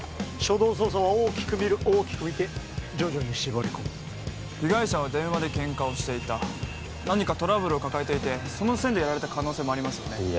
初動捜査は大きく見る大きく見て徐々に絞り込む被害者は電話でケンカをしていた何かトラブルを抱えていてその線でやられた可能性もありますよね